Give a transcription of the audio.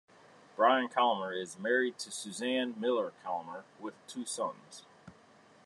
Brian Kamler is married to Suzanne Miller Kamler, with two sons.